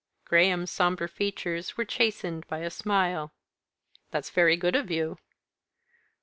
Graham's sombre features were chastened by a smile. "That's very good of you."